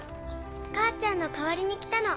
母ちゃんの代わりに来たの。